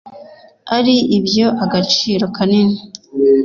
ari ibyo agaciro kanini